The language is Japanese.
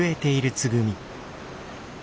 つぐみ！